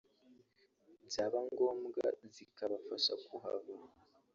byaba ngombwa zikabafasha kuhava